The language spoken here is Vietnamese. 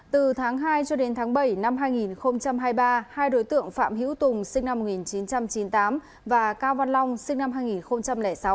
từ tháng hai cho đến tháng bảy năm hai nghìn hai mươi ba hai đối tượng phạm hữu tùng sinh năm một nghìn chín trăm chín mươi tám và cao văn long sinh năm hai nghìn sáu